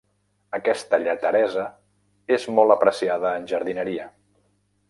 Aquesta lleteresa és molt apreciada en jardineria.